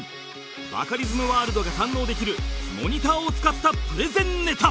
バカリズムワールドが堪能できるモニターを使ったプレゼンネタ